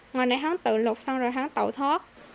ngoài này hắn tự lục xong rồi hắn tẩu thoát